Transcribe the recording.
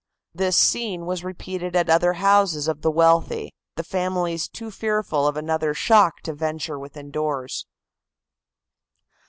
This, scene was repeated at other houses of the wealthy, the families too fearful of another shock to venture within doors.